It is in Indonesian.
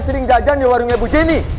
sering jajan di warung ibu jenny